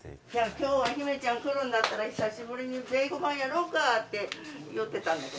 きょうは姫ちゃん来るんだったら、久しぶりにベーゴマやろうかって言ってたんですよ。